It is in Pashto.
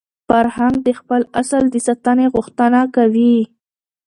فرهنګ د خپل اصل د ساتني غوښتنه کوي.